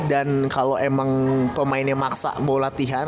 dan kalo emang pemainnya maksa mau latihan